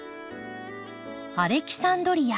アレキサンドリア。